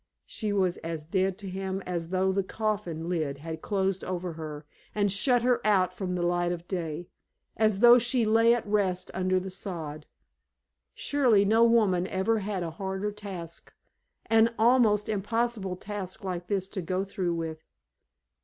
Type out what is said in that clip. She was as dead to him as though the coffin lid had closed over her and shut her out from the light of day as though she lay at rest under the sod. Surely no woman ever had a harder task an almost impossible task like this to go through with!